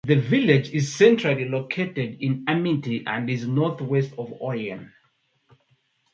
The village is centrally located in Amity and is northeast of Olean.